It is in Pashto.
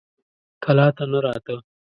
کلا ته نه راته.